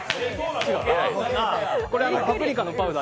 これはパプリカのパウダー。